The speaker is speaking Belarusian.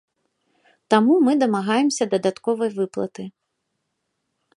Таму мы дамагаемся дадатковай выплаты.